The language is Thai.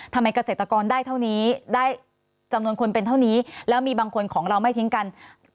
เกษตรกรได้เท่านี้ได้จำนวนคนเป็นเท่านี้แล้วมีบางคนของเราไม่ทิ้งกัน